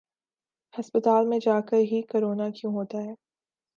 ہسپتال میں جاکر ہی کرونا کیوں ہوتا ہے ۔